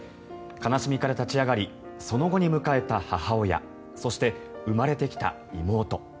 悲しみから立ち上がりその後に迎えた母親そして、生まれてきた妹。